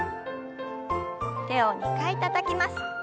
手を２回たたきます。